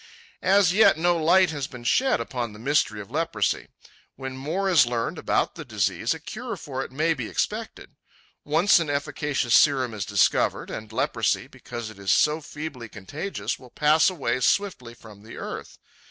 As yet no light has been shed upon the mystery of leprosy. When more is learned about the disease, a cure for it may be expected. Once an efficacious serum is discovered, and leprosy, because it is so feebly contagious, will pass away swiftly from the earth.